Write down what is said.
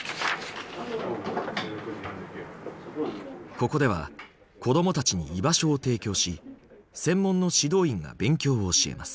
ここでは子どもたちに「居場所」を提供し専門の指導員が勉強を教えます。